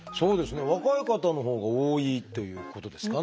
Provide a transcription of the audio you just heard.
若い方のほうが多いっていうことですかね。